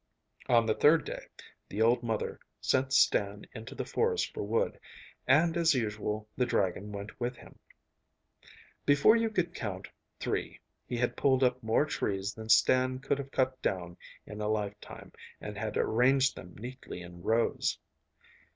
On the third day the old mother sent Stan into the forest for wood, and, as usual, the dragon went with him. Before you could count three he had pulled up more trees than Stan could have cut down in a lifetime, and had arranged them neatly in rows.